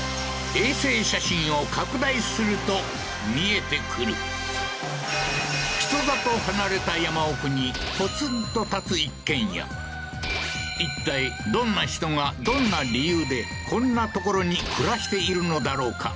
衛星写真を拡大すると見えてくる人里離れた山奥にポツンと建つ一軒家いったいどんな人がどんな理由でこんな所に暮らしているのだろうか？